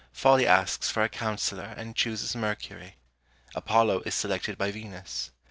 Folly asks for a counsellor, and chooses Mercury; Apollo is selected by Venus.